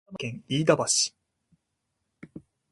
埼玉県飯田橋